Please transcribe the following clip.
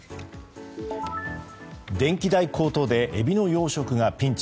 電気代高騰でエビの養殖がピンチ。